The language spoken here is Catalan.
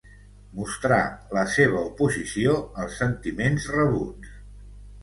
Mostrà la seva oposició als sentiments rebuts.